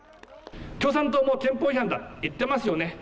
共産党も憲法違反だと言っていますよね。